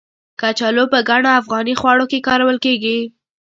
کچالو په ګڼو افغاني خواړو کې کارول کېږي.